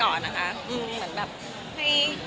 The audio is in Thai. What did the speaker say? ก็เลยเอาข้าวเหนียวมะม่วงมาปากเทียน